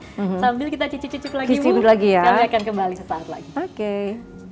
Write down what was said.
sambil kita cicip cicip lagi kami akan kembali sesaat lagi